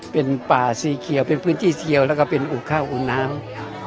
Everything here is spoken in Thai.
เป็นป่าสีเขียวเป็นพื้นที่เทียวแล้วก็เป็นอุข้าวอุ่นน้ำ